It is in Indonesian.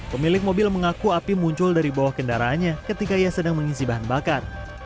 pemilik mobil mengaku api muncul dari bawah kendaraannya ketika ia sedang mengisi bahan bakar